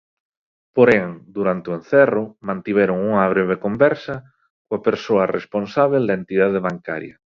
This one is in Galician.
Porén, durante o encerro, mantiveron unha breve conversa coa persoa responsábel da entidade bancaria.